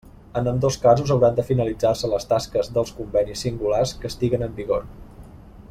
En ambdós casos hauran de finalitzar-se les tasques dels convenis singulars que estiguen en vigor.